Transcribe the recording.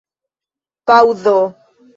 paŭzo